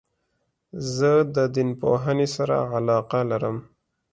زه د دین پوهني سره علاقه لرم.